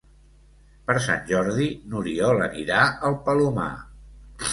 Per Sant Jordi n'Oriol anirà al Palomar.